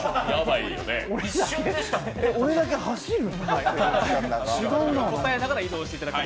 俺だけ走る？